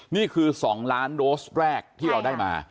นี่คือ๒ล้านโดสแรกที่เราได้มา